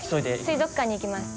水族館に行きます。